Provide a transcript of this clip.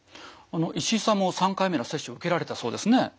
石井さんも３回目の接種を受けられたそうですね。